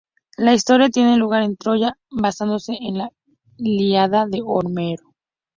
La historia tiene lugar en Troya, basándose en la "Ilíada" de Homero.